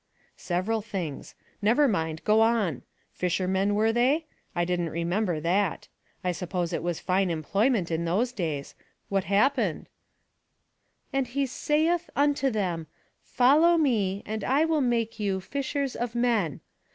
" Several things. Never mind ; go on. Fish ermen, were they ? I didn't remember that. I suppose it was fine employment in those days. What happened?" "' And he saith unto them : Follow me, and I will make you fishers of men.'